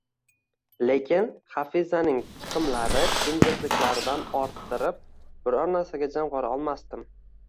Lekin Hafizaning chiqimlari, injiqliklaridan orttirib biror narsa jamg`ara olmasdim